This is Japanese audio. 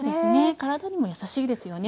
体にもやさしいですよね。